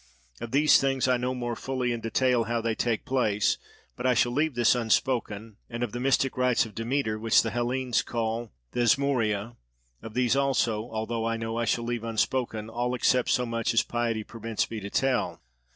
Of these things I know more fully in detail how they take place, but I shall leave this unspoken; and of the mystic rites of Demeter, which the Hellenes call thesmophoria, of these also, although I know, I shall leave unspoken all except so much as piety permits me to tell.